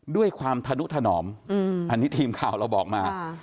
ด้วยความทะนุทะหนอมอืมอันนี้ทีมข่าวเราบอกมาค่ะ